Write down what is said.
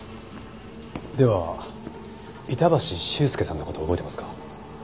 では板橋秀介さんの事覚えてますか？